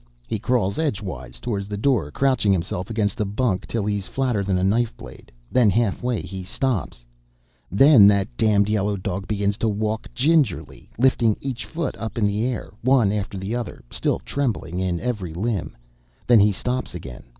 He crawls edgewise towards the door, crouching himself against the bunk till he's flatter than a knife blade; then, half way, he stops. Then that d d yellow dog begins to walk gingerly lifting each foot up in the air, one after the other, still trembling in every limb. Then he stops again.